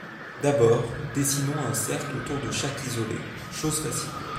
D'abord, dessinons un cercle autour de chaque isolé, chose facile.